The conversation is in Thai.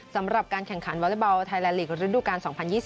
สำหรับการแข่งขันวอลเลอร์เบาไทยและลีกฤดูกาล๒๐๒๐๒๐๒๑